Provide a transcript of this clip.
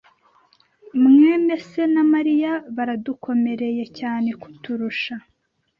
mwene se na Mariya baradukomeye cyane kuturusha.